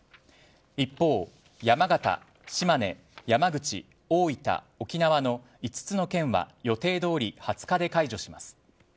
一方、山形、島根、山口大分、沖縄の５つの県は予定どおり２０日で解除します。